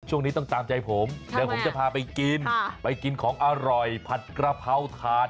ช่วงนี้ต้องตามใจผมเดี๋ยวผมจะพาไปกินไปกินของอร่อยผัดกระเพราถาด